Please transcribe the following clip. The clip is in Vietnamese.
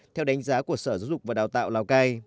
theo đánh giá của sở giáo dục và đào tạo lào cai